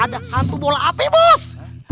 ada hantu bola api bos